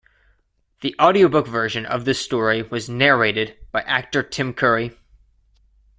The audiobook version of this story was narrated by actor Tim Curry.